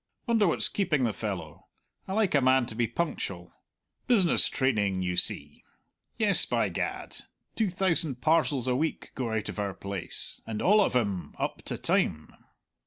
Wonder what's keeping the fellow. I like a man to be punctual. Business training, you see; yes, by Gad, two thousand parcels a week go out of our place, and all of 'em up to time!